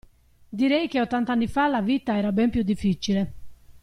Direi che ottanta anni fa la vita era ben più difficile.